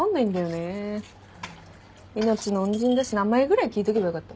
命の恩人だし名前ぐらい聞いとけばよかった。